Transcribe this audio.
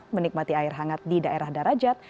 menikmati air hangat di daerah darajat